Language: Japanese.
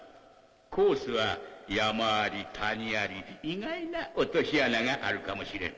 コースは山あり谷あり意外な落とし穴があるかもしれん。